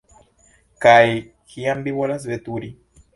Kaj kiam vi volas veturi?